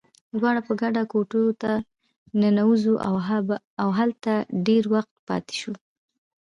دواړه په ګډه کوټې ته ننوزو، او هلته ډېر وخت پاتې شو.